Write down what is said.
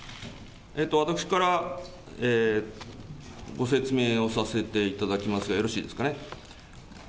私からご説明をさせていただきますが、よろしいですかね。